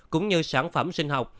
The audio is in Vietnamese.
cũng như sản phẩm sinh học